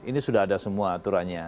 ini sudah ada semua aturannya